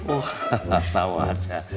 oh tau aja